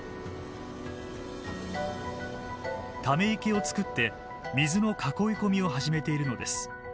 ため池を作って水の囲い込みを始めているのです。